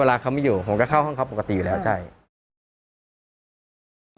เวลาเขาไม่อยู่ผมก็เข้าห้องเขาปกติอยู่แล้วใช่